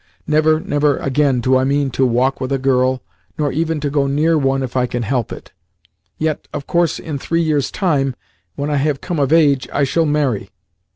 Never, never again do I mean to walk with a girl, nor even to go near one if I can help it. Yet, of course, in three years' time, when I have come of age, I shall marry.